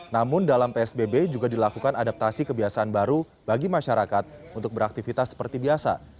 namun dalam psbb juga dilakukan adaptasi kebiasaan baru bagi masyarakat untuk beraktivitas seperti biasa